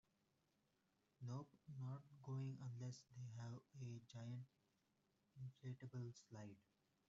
Nope, not going unless they have a giant inflatable slide.